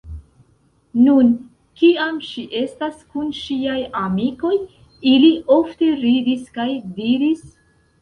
Nun, kiam ŝi estas kun ŝiaj amikoj, ili ofte ridis kaj diris: